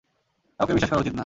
কাউকেই বিশ্বাস করা উচিৎ না।